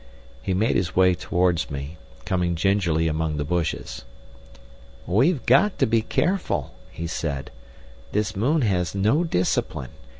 He made his way towards me, coming gingerly among the bushes. "We've got to be careful," he said. "This moon has no discipline.